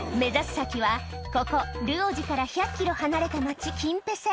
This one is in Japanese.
先はここルオジから１００ｋｍ離れた町キンペセ